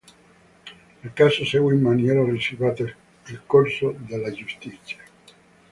Il caso segue in maniera riservata il corso della giustizia.